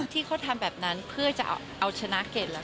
ที่เขาทำแบบนั้นเพื่อจะเอาชนะเกรดแล้ว